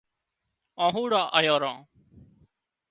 آنهُوڙان آيان ران